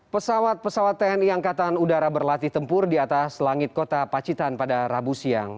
pesawat pesawat tni angkatan udara berlatih tempur di atas langit kota pacitan pada rabu siang